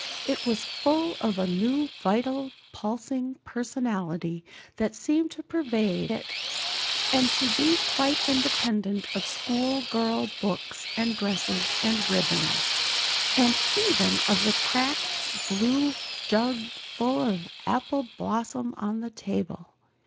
It was full of a new vital, pulsing personality that seemed to pervade it and to be quite independent of schoolgirl books and dresses and ribbons, and even of the cracked blue jug full of apple blossoms on the table.